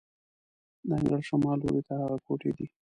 د انګړ شمال لوري ته هغه کوټې دي.